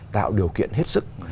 tạo điều kiện hết sức